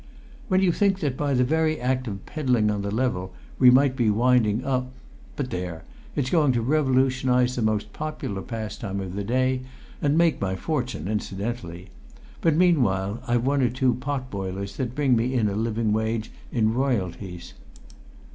"When you think that by the very act of pedalling on the level we might be winding up but there! It's going to revolutionise the most popular pastime of the day, and make my fortune incidentally; but meanwhile I've one or two pot boilers that bring me in a living wage in royalties.